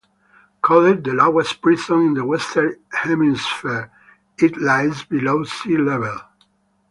Called the lowest prison in the Western Hemisphere, it lies below sea level.